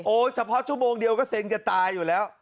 เฉพาะชั่วโมงเดียวก็เซ็งจะตายอยู่แล้ว